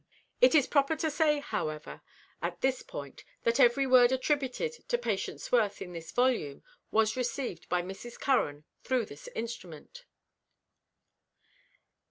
It is proper to say, however, at this point, that every word attributed to Patience Worth in this volume was received by Mrs. Curran through this instrument.